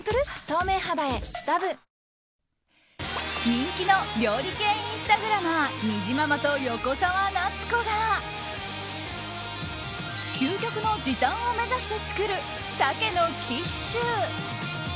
人気の料理系インスタグラマーにじままと横澤夏子が究極の時短を目指して作る鮭のキッシュ。